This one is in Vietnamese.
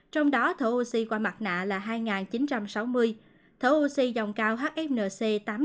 trong đó thở oxy qua mặt nạ là hai chín trăm sáu mươi thở oxy dòng cao hfnc tám trăm tám mươi